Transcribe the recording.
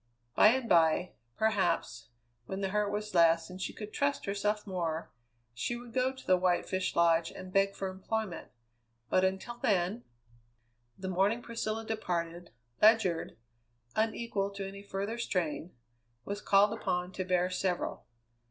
By and by, perhaps, when the hurt was less and she could trust herself more, she would go to the White Fish Lodge and beg for employment; but until then The morning Priscilla departed, Ledyard, unequal to any further strain, was called upon to bear several.